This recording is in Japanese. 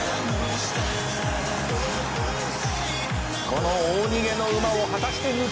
「この大逃げの馬を果たして抜き去れるのか」